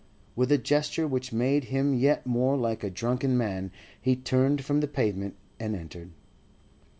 With a gesture which made him yet more like a drunken man he turned from the pavement and entered.